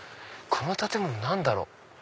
この建物何だろう？